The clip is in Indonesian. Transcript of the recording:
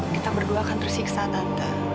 kita berdua akan tersiksa datang